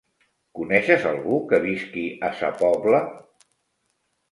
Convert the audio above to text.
Coneixes algú que visqui a Sa Pobla?